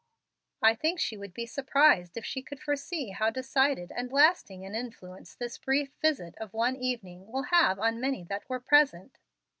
I think she would be surprised if she could foresee how decided and lasting an influence this brief visit of one evening will have on many that were present."